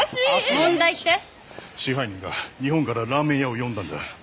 支配人が日本からラーメン屋を呼んだんだ。